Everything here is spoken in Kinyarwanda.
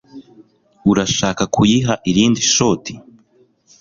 Urashaka kuyiha irindi shoti?